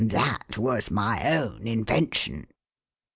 That was my own invention."